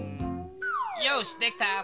よしできた！